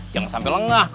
jangan sampai lengah